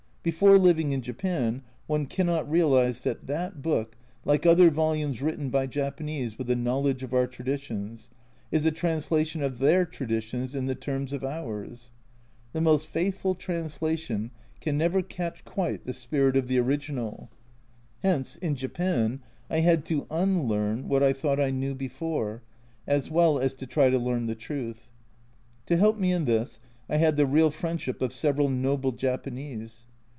Before living in Japan one cannot realise that that book, like other volumes written by Japanese with a knowledge of our tradi tions, is a translation of their traditions in the terms of ours. The most faithful translation can never catch quite the spirit of the original. Hence in Japan I had to unlearn what I thought I knew before, as well as to try to learn the truth. To help me in this I had the real friendship of several noble Japanese.